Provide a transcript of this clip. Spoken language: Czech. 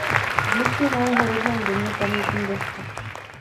Dnes je na jeho rodném domě pamětní deska.